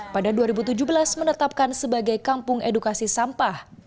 pada dua ribu tujuh belas menetapkan sebagai kampung edukasi sampah